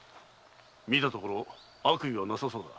見たところ悪意はなさそうだ。